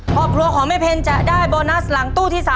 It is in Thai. ครอบครัวของแม่เพนจะได้โบนัสหลังตู้ที่๓